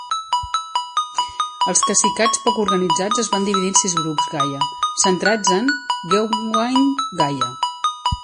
Els cacicats poc organitzats es van dividir en sis grups Gaya, centrats en Geumgwan Gaya.